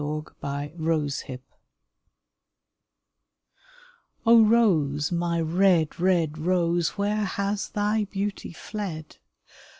A RED ROSE O Rose, my red, red Rose, Where has thy beauty fled